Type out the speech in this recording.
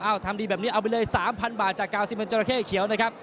อ้าวทำดีแบบนี้เอาไปเลย๓๐๐๐บาทจากกาวสิมพันธุ์เจราะเข้เขียวนะครับ